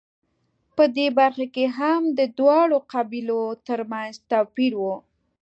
په دې برخه کې هم د دواړو قبیلو ترمنځ توپیر و